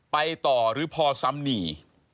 ไปต่อหรือพอซ้ำหนี